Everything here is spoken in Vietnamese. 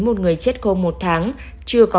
một người chết khô một tháng chưa có